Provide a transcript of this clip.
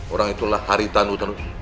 orang itulah haritanu